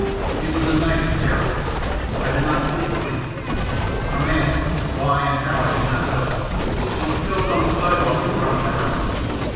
It was a night of terror. I did not sleep a wink. A man why and how I do not know was killed on the sidewalk in front of the house.